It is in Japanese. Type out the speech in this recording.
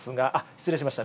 失礼しました。